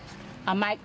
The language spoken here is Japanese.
甘い？